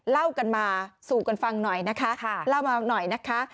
เล่ากันมาสูกกันฟังหน่อยนะคะ